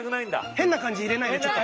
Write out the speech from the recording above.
変な感じ入れないでちょっと。